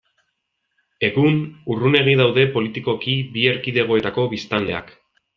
Egun, urrunegi daude politikoki bi erkidegoetako biztanleak.